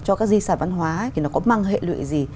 cho các di sản văn hóa thì nó có mang hệ lụy gì